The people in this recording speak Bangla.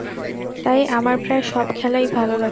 তাই আমার প্রায় সব খেলাই ভালো লাগে।